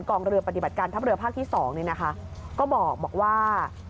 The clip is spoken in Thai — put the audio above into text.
กองเรือปฏิบัติการทัพเรือภาคที่สองเนี่ยนะคะก็บอกบอกว่า